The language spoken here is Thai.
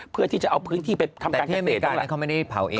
เพื่อที่จะเอาพื้นที่ไปทำการเกษตรแต่ที่อเมริกานั้นเขาไม่ได้เผาเองนะ